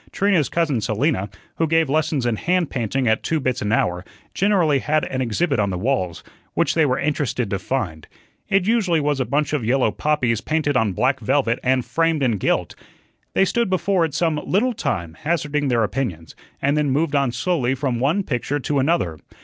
Trina's cousin Selina, who gave lessons in hand painting at two bits an hour, generally had an exhibit on the walls, which they were interested to find. It usually was a bunch of yellow poppies painted on black velvet and framed in gilt. They stood before it some little time, hazarding their opinions, and then moved on slowly from one picture to another.